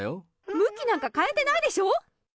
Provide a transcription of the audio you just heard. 向きなんか変えてないでしょ！